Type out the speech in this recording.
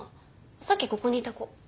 さっきここにいた子。